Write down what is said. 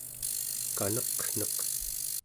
kanaqneq